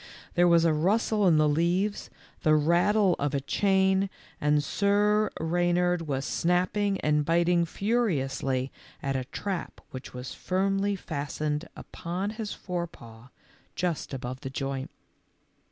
There was a rustle in the leaves, the rattle of a chain, and Sir Eeynard was snapping and biting furiously at a trap which was firmly fastened upon his forepaw, just above the joint.